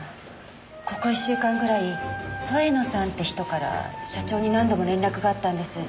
ここ１週間ぐらい添野さんって人から社長に何度も連絡があったんです。